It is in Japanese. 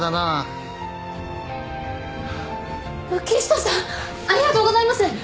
ありがとうございます！